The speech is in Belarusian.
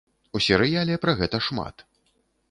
У серыяле пра гэта шмат.